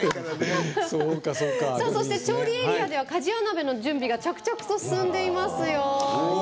そして調理エリアでは鍛冶屋鍋の準備が着々と進んでいますよ。